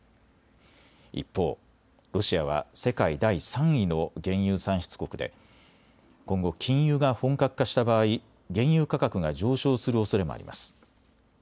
一方、ロシアは世界第３位の原油産出国で今後、禁輸が本格化した場合、原油価格が上昇するおそれもあります。